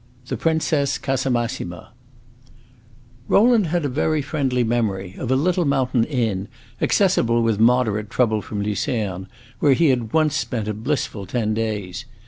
The Princess Casamassima Rowland had a very friendly memory of a little mountain inn, accessible with moderate trouble from Lucerne, where he had once spent a blissful ten days.